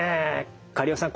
苅尾さん